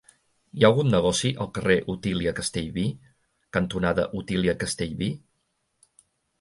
Hi ha algun negoci al carrer Otília Castellví cantonada Otília Castellví?